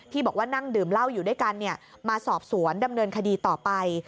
บอกว่านั่งดื่มเหล้าอยู่ด้วยกันมาสอบสวนดำเนินคดีต่อไป